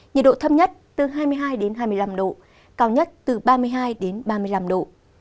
nhiệt độ thấp nhất từ hai mươi hai đến hai mươi năm độ cao nhất từ ba mươi hai ba mươi năm độ